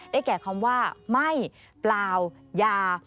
แก่คำว่าไม่เปล่ายา